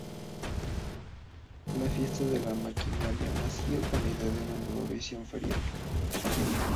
La Fiesta de la Maquinaria nació como idea de una nueva visión ferial.